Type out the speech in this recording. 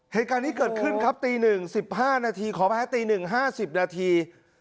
เหตุการณ์ที่เกิดขึ้นครับตีหนึ่ง๑๕นาทีขอแพ้ตีหนึ่ง๕๐นาที